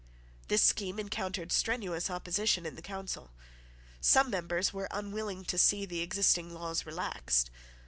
This scheme encountered strenuous opposition in the Council. Some members were unwilling to see the existing laws relaxed.